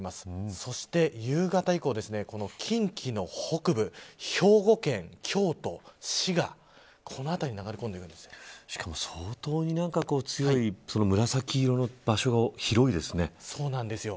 そして、夕方以降近畿の北部兵庫県、京都、滋賀しかも相当に強い紫色の場所がそうなんですよ。